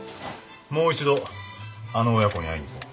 もう一度あの親子に会いに行こう。